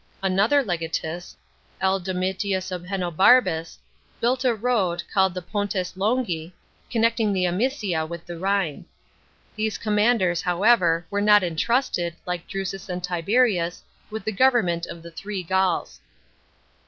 Another legatus, L. Domitius Ahenobarbus, built a road, called the ponies longi, connecting the Amisia with the Rhine. These commanders, how ever, were not entrusted, like Drusus and Tiberius, with the government, of the Three Gauls.